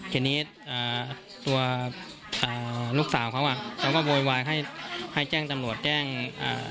ทีนี้อ่าตัวอ่าลูกสาวเขาอ่ะเขาก็โวยวายให้ให้แจ้งตำรวจแจ้งอ่า